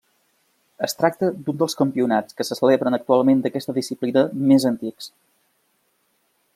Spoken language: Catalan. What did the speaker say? Es tracta d'un dels campionats que se celebren actualment d'aquesta disciplina més antics.